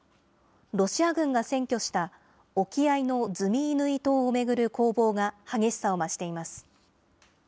ロシア軍が占拠した、沖合のズミイヌイ島を巡る攻防が激しさを増しています。